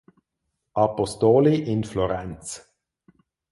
Apostoli in Florenz.